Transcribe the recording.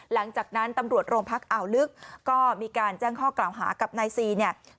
หลังจากนั้นตำรวจโรงพักอ่าวลึกก็มีการแจ้งข้อกล่าวหากับนายซีเนี่ย